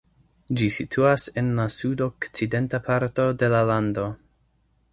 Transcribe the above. Ĝi situas en la sudokcidenta parto de la lando.